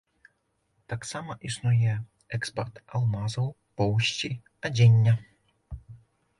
Таксама існуе экспарт алмазаў, поўсці, адзення.